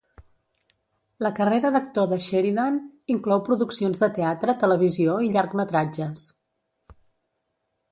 La carrera d'actor de Sheridan inclou produccions de teatre, televisió i llargmetratges.